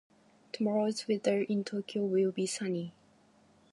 Tomorrow's weather in Tokyo will be sunny.